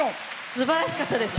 すばらしかったです。